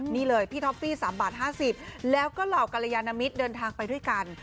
นี่เลยพี่ท็อฟฟี่๓บาท๕๐แล้วก็เหล่ากรยานมิตรเดินทางไปด้วยกัน